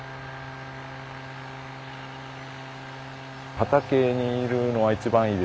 畑にいるのは一番いいですね。